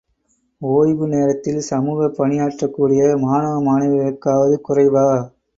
ஒய்வு நேரத்தில் சமூகப் பணியாற்றக்கூடிய மாணவ மாணவிகளுக்காவது குறைவா?